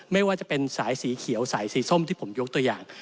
ไม่ว่าจะเป็นสายสีเขียวสายสีส้มที่ผมยกตัวอย่าง